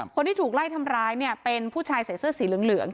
คนที่ถูกไล่ทำร้ายเนี่ยเป็นผู้ชายใส่เสื้อสีเหลือง